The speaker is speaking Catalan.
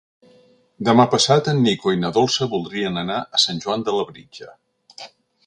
Demà passat en Nico i na Dolça voldrien anar a Sant Joan de Labritja.